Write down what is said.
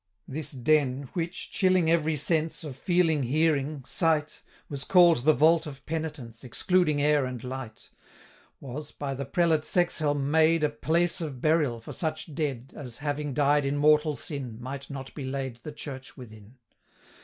This den, which, chilling every sense 320 Of feeling, hearing, sight, Was call'd the Vault of Penitence, Excluding air and light, Was, by the prelate Sexhelm, made A place of burial for such dead, 325 As, having died in mortal sin, Might not be laid the church within.